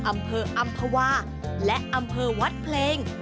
อำเภออำภาวาและอำเภอวัดเพลง